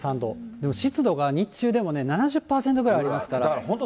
でも湿度が日中でもね、７０％ぐらいありますから。